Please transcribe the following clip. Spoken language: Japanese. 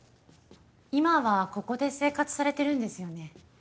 今はここで生活されてるんですよね？